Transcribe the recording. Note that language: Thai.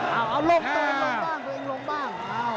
เอาลมลงบ้างลมลงบ้าง